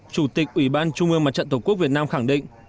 chủ tịch ủy ban trung ương mặt trận tổ quốc việt nam khẳng định